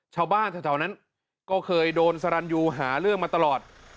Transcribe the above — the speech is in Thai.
ชาวบ้านแถวนั้นก็เคยโดนสรรยูหาเรื่องมาตลอด